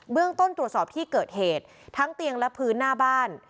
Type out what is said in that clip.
เรื่องต้นตรวจสอบที่เกิดเหตุทั้งเตียงและพื้นหน้าบ้าน